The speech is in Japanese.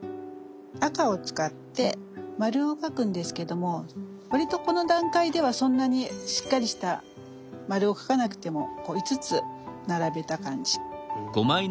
赤を使って丸を描くんですけども割とこの段階ではそんなにしっかりした丸を描かなくてもこう５つ並べた感じ。